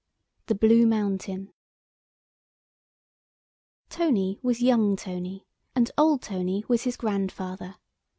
THE BLUE MOUNTAIN TONY was young Tony, and old Tony was his grandfather.